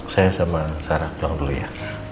saya sama sarah pulang dulu ya